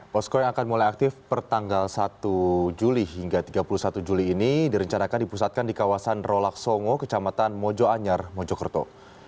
posko yang akan mulai aktif pertanggal satu juli hingga tiga puluh satu juli ini direncanakan dipusatkan di kawasan rolak songo kecamatan mojoanyar mojokerto